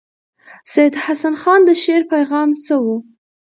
سید حسن خان د شعر پیغام څه وو.